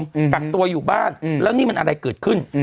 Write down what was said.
อืมตัดตัวอยู่บ้านแล้วนี่มันอะไรเกิดขึ้น